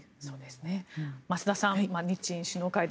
増田さん、日印首脳会談